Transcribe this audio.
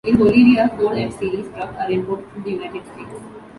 In Bolivia, Ford F-series truck are imported from the United States.